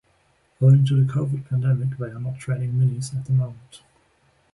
Owing to the covid pandemic they are not training minis at the moment.